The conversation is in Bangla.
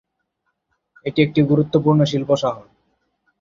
এটি একটি গুরুত্বপূর্ণ শিল্প শহর।